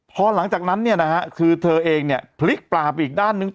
พอหลังจากนั้นเนี่ยนะฮะคือเธอเองเนี่ยพลิกปลาไปอีกด้านหนึ่ง